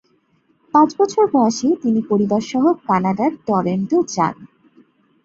পাঁচ বছর বয়সে তিনি পরিবারসহ কানাডার টরন্টো জান।